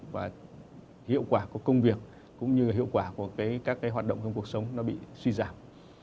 và hiệu quả của công việc cũng như hiệu quả của các cái hoạt động trong cuộc sống nó bị suy giảm